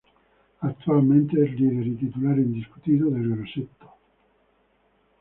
Actualmente es líder y titular indiscutido del Grosseto.